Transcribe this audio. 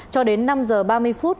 cho đến năm h ba mươi phút